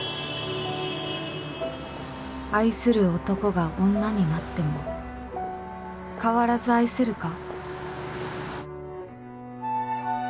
愛する男が女になっても変わらず愛せるか？